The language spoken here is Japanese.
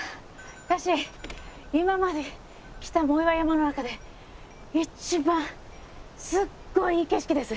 私今まで来た藻岩山の中で一番すっごいいい景色です。